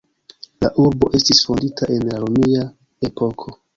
La urbo estis fondita en la romia epoko.